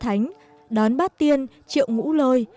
thánh đón bát tiên triệu ngũ lôi